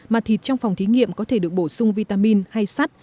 mà thịt trong phòng thí nghiệm có thể được bổ sung vitamin hay sắt